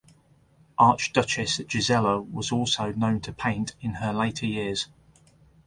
Archduchess Gisela was also known to paint in her later years.